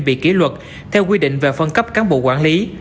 bị kỷ luật theo quy định về phân cấp cán bộ quản lý